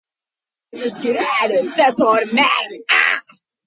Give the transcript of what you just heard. They partially own the Neopets Asia.